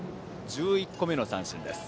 １１個目の三振です。